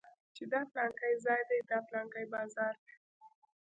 چې دا پلانکى ځاى دى دا پلانکى بازار دى.